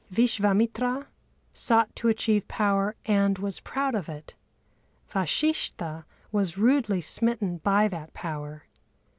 Vishvâmitra sought to achieve power and was proud of it; Vashishtha was rudely smitten by that power.